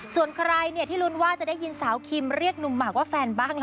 ส่วนใครที่ลุ้นว่าจะได้ยินสาวคิมเรียกหนุ่มหมากว่าแฟนบ้าง